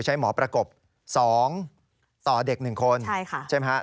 ใช้หมอประกบ๒ต่อเด็ก๑คนใช่ไหมฮะ